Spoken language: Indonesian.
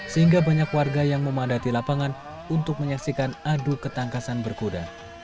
sehingga banyak warga yang memadati lapangan untuk menyaksikan adu ketangkasan berkuda